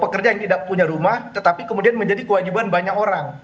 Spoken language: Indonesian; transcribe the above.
pekerja yang tidak punya rumah tetapi kemudian menjadi kewajiban banyak orang